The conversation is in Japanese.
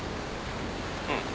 うん。